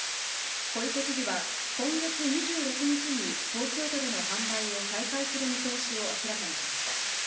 小池知事は、今月２６日に東京都での販売を再開する見通しを明らかにしました。